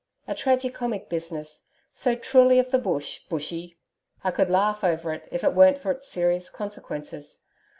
A tragi comic business so truly of the Bush, Bushy! I could laugh over it, if it weren't for its serious consequences.